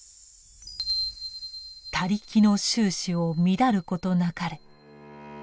「他力の宗旨を乱ることなかれ」。